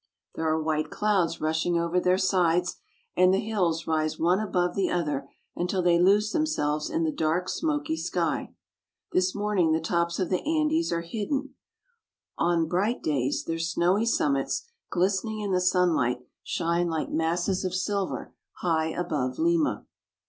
There are white clouds LIMA. 59 rushing over their sides, and the hills rise one above the other until they lose themselves in the dark, smoky sky. This morning the tops of the Andes are hidden. On " At the back are the bleak foothills of the Andes." bright days their snowy summits, glistening in the sun light, shine like masses of silver high above Lima.